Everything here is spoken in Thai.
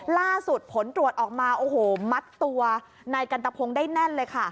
ล่าสุดผลตรวจออกมามัดตัวนายกันตะพงได้แน่นเลยค่ะ